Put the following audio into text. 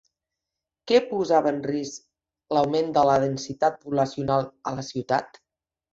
Què posava en risc l'augment de la densitat poblacional a la ciutat?